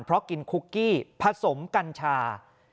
เพราะกินคุกกี้ผสมกัญชา